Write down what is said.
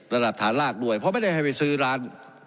ระดับฐานรากด้วยเพราะไม่ได้ให้ไปซื้อร้าน